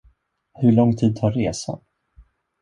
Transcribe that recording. Hur lång tid tar resan?